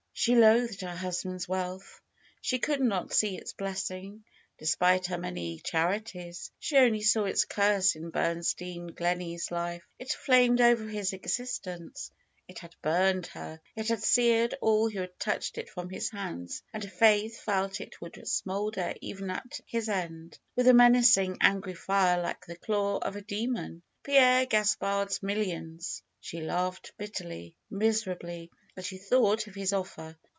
She loathed her husband's wealth. She could not see its blessing, despite her many charities; she only saw its curse in Bernstein Gleney's life. It flamed over his existence; it had burned her; it had seared all who had touched it from his hands, and Faith felt it would smoulder even at his end, with a menacing, angry fire like the claw of a demon. Pierre Gaspard's millions! She laughed bitterly, miserably, as she thought of his offer.